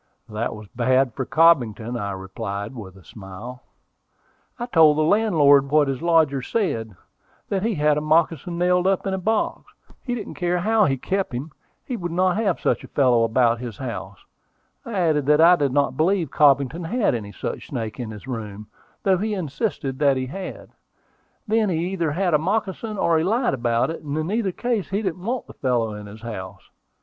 "That was bad for Cobbington," I replied, with a smile. "I told the landlord what his lodger said, that he had the moccasin nailed up in a box. He didn't care how he kept him: he would not have such a fellow about his house. I added that I did not believe Cobbington had any such snake in his room, though he insisted that he had. Then he either had a moccasin, or he lied about it, and in either case he didn't want the fellow in his house.